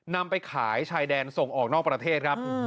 นำไปขายชายแดนส่งออกนอกประเทศครับ